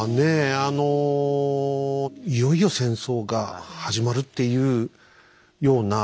あのいよいよ戦争が始まるっていうような予感がね。